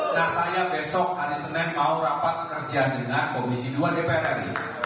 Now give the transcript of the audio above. nah saya besok hari senin mau rapat kerja dengan komisi dua dpr ri